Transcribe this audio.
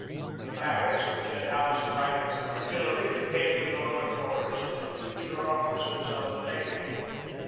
The barracks which had housed privates of artillery became the dormi tories of the future officers of the navy.